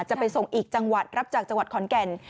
จะไปส่งอีกจังหวัดรับจากจังหวัดขอนแก่น